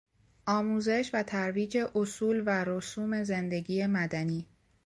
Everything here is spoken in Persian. آموزش و ترویج اصول و رسوم زندگی مدنی